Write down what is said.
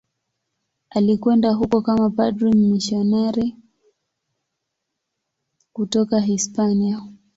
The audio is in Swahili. Alikwenda huko kama padri mmisionari kutoka Hispania.